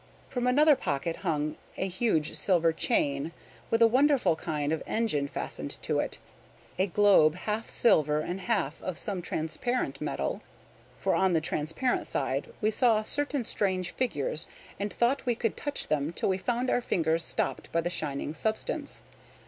From another pocket hung a huge silver chain, with a wonderful kind of engine fastened to it, a globe half silver and half of some transparent metal; for on the transparent side we saw certain strange figures, and thought we could touch them till we found our fingers stopped by the shining substance.